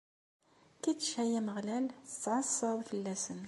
Kečč, ay Ameɣlal, tettɛassaḍ fell-asen.